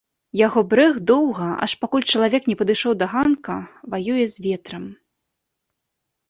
Яго брэх доўга, аж пакуль чалавек не падышоў да ганка, ваюе з ветрам.